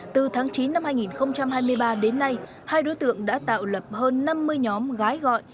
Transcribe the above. từ tháng chín năm hai nghìn hai mươi ba đến nay hai đối tượng đã tạo lập hơn năm mươi nhóm gái gọi